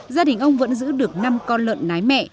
gia đình ông vẫn giữ được năm con lợn nái mẹ